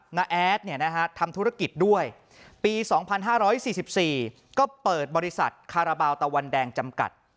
้าแอดทำธุรกิจด้วยปี๒๕๔๔ก็เปิดบริษัทคาราบาลตะวันแดงจำกัด